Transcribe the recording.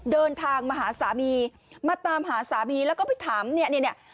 เดินทางมาหาสามีมาตามหาสามีแล้วก็ไปถามเนี่ยเนี่ย